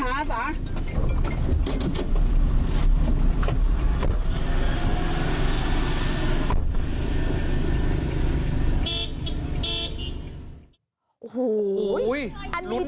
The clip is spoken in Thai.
สาธุฟังแม่